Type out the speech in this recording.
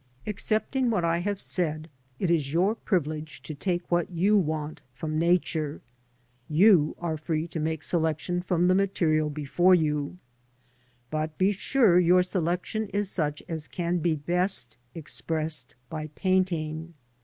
Excepting what I have said, it is your privilege to take what you want from Nature, you are free to make selection from the material before you ; but be sure your selection is such as can be best expressed by painting.